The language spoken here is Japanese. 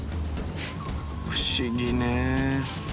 不思議ね。